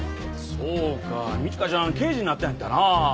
そうか路花ちゃん刑事になったんやったなあ。